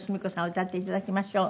歌って頂きましょう。